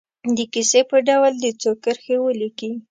د کیسې په ډول دې څو کرښې ولیکي.